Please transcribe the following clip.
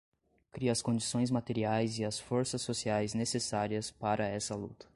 cria as condições materiais e as forças sociais necessárias para essa luta